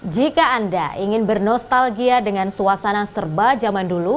jika anda ingin bernostalgia dengan suasana serba zaman dulu